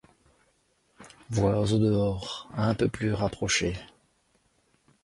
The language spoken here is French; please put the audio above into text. Voix au dehors, un peu plus rapprochées.